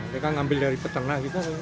mereka ngambil dari peternak gitu